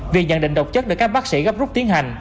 việc nhận định độc chất được các bác sĩ gấp rút tiến hành